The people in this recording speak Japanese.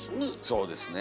そうですね。